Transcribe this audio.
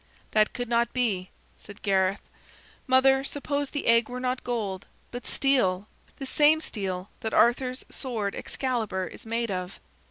"That could not be," said Gareth. "Mother, suppose the egg were not gold, but steel, the same steel that Arthur's sword Excalibur is made of."